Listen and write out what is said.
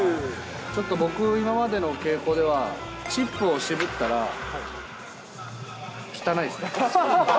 ちょっと僕、今までの傾向では、チップを渋ったら、そうなんですか。